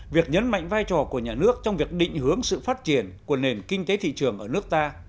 việc nhấn mạnh vai trò của nhà nước trong việc định hướng sự phát triển của nền kinh tế thị trường ở nước ta